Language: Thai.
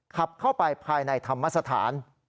ขับเข้าไปภายในธรรมสถาน